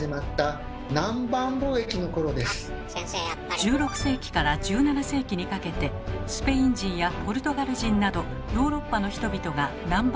１６世紀から１７世紀にかけてスペイン人やポルトガル人などヨーロッパの人々が南蛮